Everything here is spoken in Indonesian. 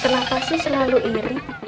kenapa sih selalu iri